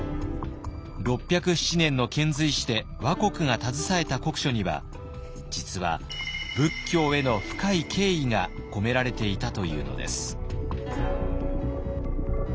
６０７年の遣隋使で倭国が携えた国書には実は仏教への深い敬意が込められていたというのです。